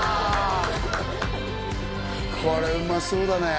これうまそうだね